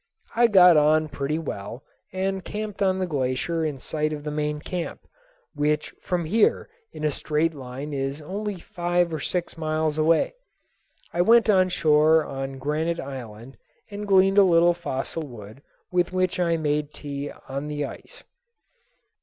I got on pretty well and camped on the glacier in sight of the main camp, which from here in a straight line is only five or six miles away. I went ashore on Granite Island and gleaned a little fossil wood with which I made tea on the ice.